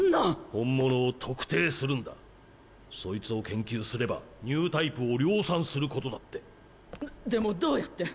本物を特定するんそいつを研究すればニュータイプを量産ででもどうやって？